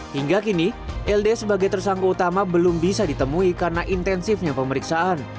hingga kini ld sebagai tersangka utama belum bisa ditemui karena intensifnya pemeriksaan